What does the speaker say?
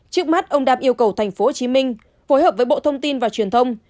trước mắt ông đạt yêu cầu tp hcm phối hợp với bộ thông tin và truyền thông